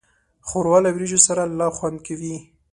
ښوروا له وریجو سره لا خوند کوي.